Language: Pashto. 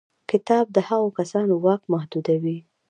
کتاب د هغو کسانو واک محدودوي.